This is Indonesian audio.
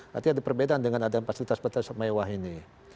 berarti ada perbedaan dengan ada fasilitas fasilitas mewah ini